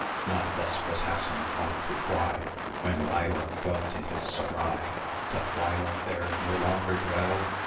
Not thus was Hassan wont to fly When Leila dwelt in his Serai. Doth Leila there no longer dwell?